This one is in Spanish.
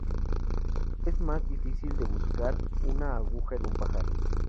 Es más difícil que buscar una aguja en un pajar